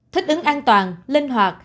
thích ứng an toàn linh hoạt